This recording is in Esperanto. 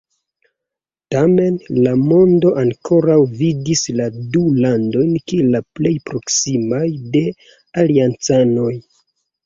Tamen la mondo ankoraŭ vidis la du landojn kiel la plej proksimaj de aliancanoj.